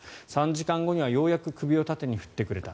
３時間後にはようやく首を縦に振ってくれた。